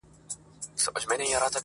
دا روايت د ټولنې ژور نقد وړلاندي کوي,